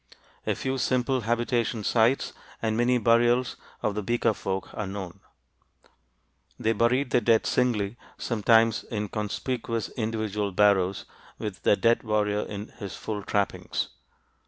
A few simple habitation sites and many burials of the Beaker folk are known. They buried their dead singly, sometimes in conspicuous individual barrows with the dead warrior in his full trappings.